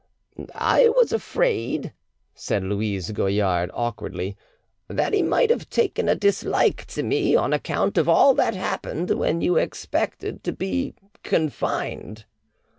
"I was afraid," said Louise Goillard awkwardly, "that he might have taken a dislike to me on account of all that happened when you expected to be confined."